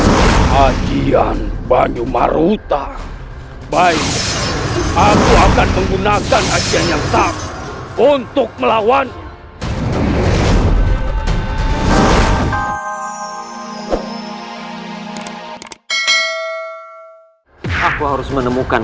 ahian banyumaruta baik aku akan menggunakan ajanya tak untuk melawan aku harus menemukan